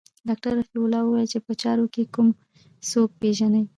ډاکتر رفيع الله وويل چې په چارواکو کښې کوم څوک پېژني.